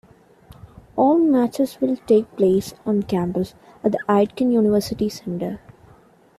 All matches will take place on campus at the Aitken University Centre.